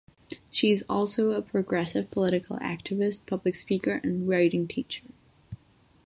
She is also a progressive political activist, public speaker, and writing teacher.